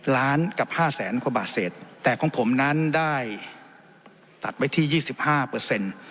ล้านกับห้าแสนกว่าบาทเศษแต่ของผมนั้นได้ตัดไว้ที่ยี่สิบห้าเปอร์เซ็นต์